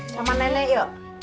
sama nenek yuk